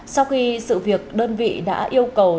sau khi sự việc đơn vị đã yêu cầu